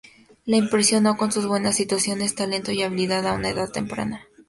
Impresionó con sus buenas actuaciones, talento y habilidad a una edad temprana.